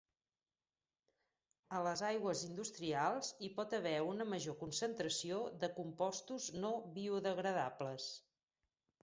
A les aigües industrials hi pot haver una major concentració de compostos no biodegradables.